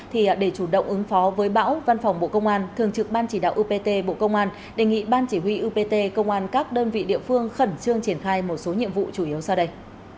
thì để chủ động ứng phó với bão văn phòng bộ công an thường trực ban chỉ đạo upt bộ công an đề nghị ban chỉ huy upt công an các đơn vị địa phương khẩn trương triển khai một số nhiệm vụ chủ yếu sau đây